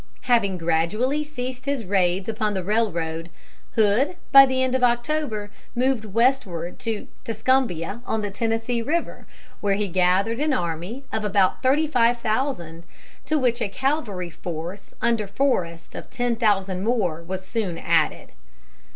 Having gradually ceased his raids upon the railroad, Hood, by the end of October, moved westward to Tuscumbia on the Tennessee River, where he gathered an army of about thirty five thousand, to which a cavalry force under Forrest of ten thousand more was soon added.